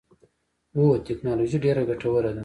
هو، تکنالوجی ډیره ګټوره ده